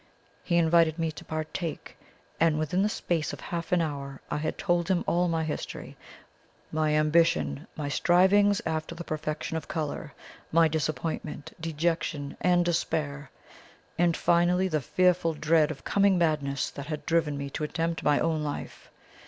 He invited me to partake, and within the space of half an hour I had told him all my history my ambition my strivings after the perfection of colour my disappointment, dejection, and despair and, finally, the fearful dread of coming madness that had driven me to attempt my own life.